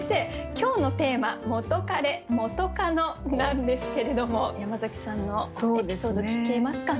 今日のテーマ「元カレ・元カノ」なんですけれども山崎さんのエピソード聞けますかね？